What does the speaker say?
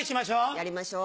やりましょう。